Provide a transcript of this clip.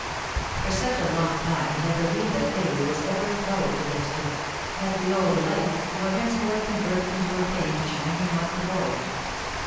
For such a long time he had believed that Italy was for ever closed against him, that the old delights were henceforth converted into a pain which memory must avoid.